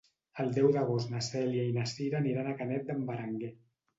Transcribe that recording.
El deu d'agost na Cèlia i na Cira aniran a Canet d'en Berenguer.